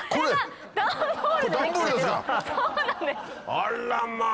あらま。